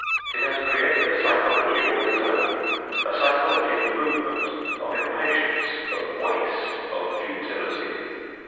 It has created a psychology all its own, a psychology of movement, of impatience, of waste, of futility.